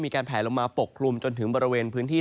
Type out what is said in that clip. แผลลงมาปกคลุมจนถึงบริเวณพื้นที่